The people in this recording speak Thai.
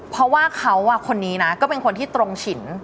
เพราะว่าเขาคนนี้นะก็เป็นคนที่ตรงฉิน